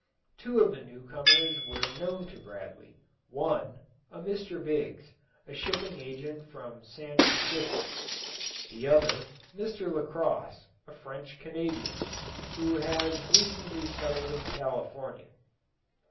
Two of the new comers were known to Bradley one, a Mr. Biggs, a shipping agent from San Francisco; the other, Mr. Lacosse, a French Canadian, who has recently settled in California.